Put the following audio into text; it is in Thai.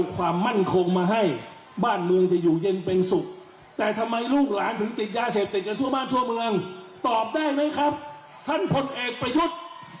คุณตอบได้ไหมครับท่านผลเอกประยุทธ